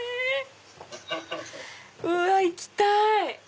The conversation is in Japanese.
うわ行きたい！